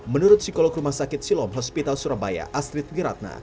menurut psikolog rumah sakit silom hospital surabaya astrid geratna